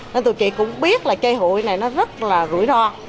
nên tụi chị cũng biết là chơi hụi này nó rất là rủi ro